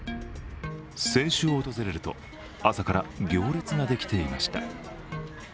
先週訪れると、朝から行列ができていました。